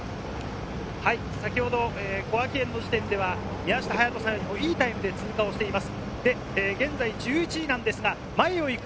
小涌園の時点では、宮下隼人さんよりもいいタイムで通過しています。